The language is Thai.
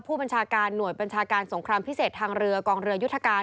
ผู้บัญชาการหน่วยบัญชาการสงครามพิเศษทางเรือกองเรือยุทธการ